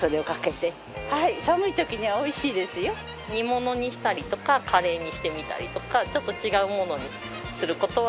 煮物にしたりとかカレーにしてみたりとかちょっと違うものにする事はあります。